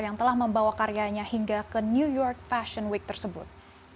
yang telah membawa karyanya hingga ke new york fashion week tersebut